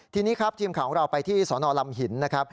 ทีนี้ครับทีมข่าวของเราไปที่สนลำหินนะครับ